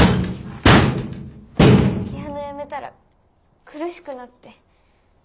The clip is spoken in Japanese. ピアノやめたら苦しくなって。